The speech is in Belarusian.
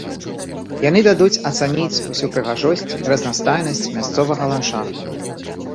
Яны дадуць ацаніць усю прыгажосць і разнастайнасць мясцовага ландшафту.